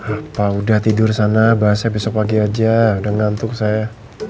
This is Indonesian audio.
apa udah tidur sana bahasnya besok pagi aja udah ngantuk saya